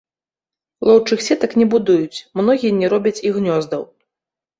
Лоўчых сетак не будуюць, многія не робяць і гнёздаў.